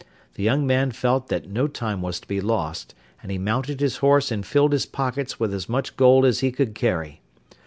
The young man felt that no time was to be lost, and he mounted his horse and filled his pockets with as much gold as he could carry.